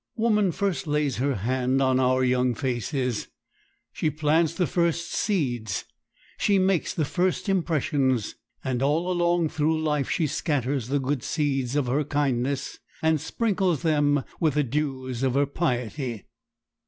Woman first lays her hand on our young faces; she plants the first seeds; she makes the first impressions; and all along through life she scatters the good seeds of her kindness, and sprinkles them with the dews of her piety.